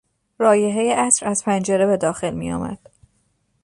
رایحهی عطر از پنجره به داخل میآمد.